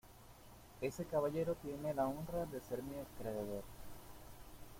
este caballero tiene la honra de ser mi acreedor.